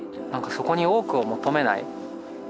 そこに多くを求めない。